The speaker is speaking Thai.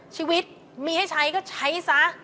ชีวิตมีให้ใช้ก็ใช้ซะ